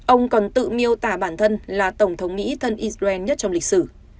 ông còn tự miêu tả bản thân là tổng thống mỹ thân israel nhất trong lịch sử